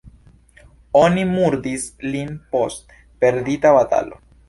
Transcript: Oni murdis lin post perdita batalo.